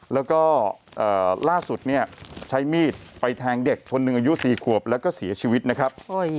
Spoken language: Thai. แล้วก็ล่าสุดเนี่ยใช้มีดไปแทงเด็กคนหนึ่งอายุ๔ขวบแล้วก็เสียชีวิตนะครับ